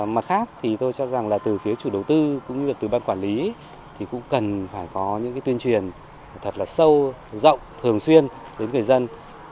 mặt khác thì tôi cho rằng là từ phía chủ đầu tư cũng như từ ban quản lý thì cũng cần phải có những tuyên truyền thật là sâu rộng thường xuyên đến người dân